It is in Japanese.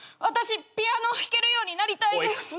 私ピアノ弾けるようになりたいです。